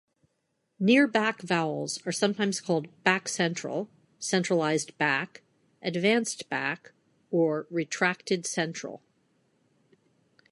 Near-back vowels are sometimes called back-central, centralized back, advanced back or retracted central.